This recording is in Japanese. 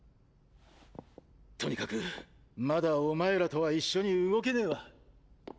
とにかくまだお前らとは一緒に動けねぇわ。